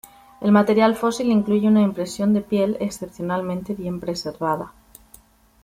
El material fósil incluye una impresión de piel excepcionalmente bien preservada.